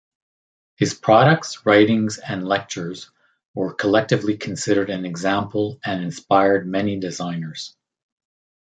His products, writings, and lectures were collectively considered an example and inspired many designers.